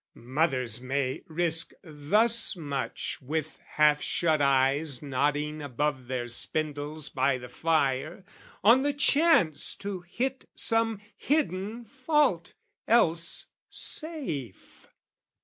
Mothers may risk thus much with half shut eyes Nodding above their spindles by the fire, On the chance to hit some hidden fault, else safe.